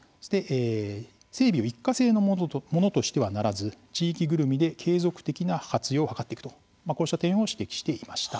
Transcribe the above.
整備を一過性のものとしてはならず、地域ぐるみで継続的な活用を図っていくとこうした点を指摘していました。